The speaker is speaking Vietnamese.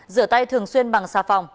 rửa tay thường xuyên bằng xà phòng